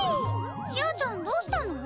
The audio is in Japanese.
ちあちゃんどうしたの？